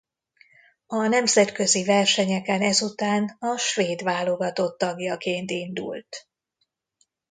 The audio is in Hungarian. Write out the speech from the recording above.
A nemzetközi versenyeken ezután a svéd válogatott tagjaként indult.